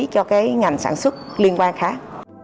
cho cái ngành sản xuất liên quan khác